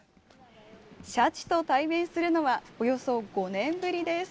シャチと対面するのはおよそ５年ぶりです。